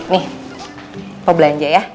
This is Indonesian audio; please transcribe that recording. nih mau belanja ya